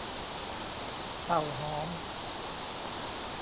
เต่าหอม